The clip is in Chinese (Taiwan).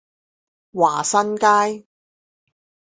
華新街